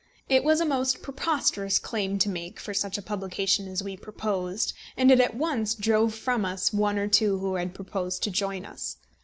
It was a most preposterous claim to make for such a publication as we proposed, and it at once drove from us one or two who had proposed to join us.